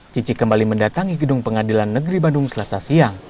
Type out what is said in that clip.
cici kembali mendatangi gedung pengadilan negeri bandung selasa siang